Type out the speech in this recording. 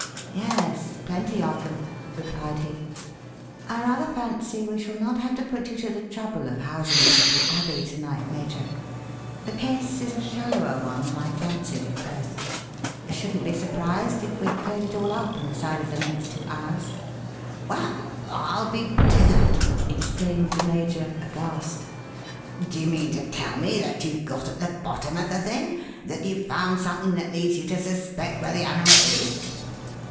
"Yes, plenty of them," replied he. "I rather fancy we shall not have to put you to the trouble of housing us at the Abbey to night, Major. The case is a shallower one than I fancied at first. Shouldn't be surprised if we cleared it all up inside of the next two hours." "Well, I'll be dithered!" exclaimed the major, aghast. "Do you mean to tell me that you've got at the bottom of the thing? That you've found something that leads you to suspect where the animal is?"